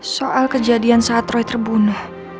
soal kejadian saat roy terbunah